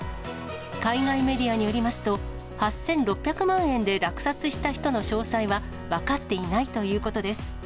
海外メディアによりますと、８６００万円で落札した人の詳細は分かっていないということです。